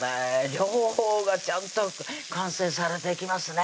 両方がちゃんと完成されていきますね